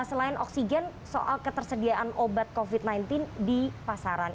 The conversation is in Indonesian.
selain oksigen soal ketersediaan obat covid sembilan belas di pasaran